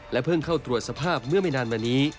เพิ่งเข้าตรวจสภาพเมื่อไม่นานมานี้